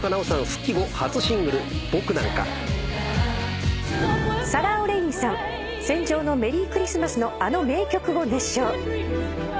復帰後初シングル『僕なんか』サラ・オレインさん『戦場のメリークリスマス』のあの名曲を熱唱。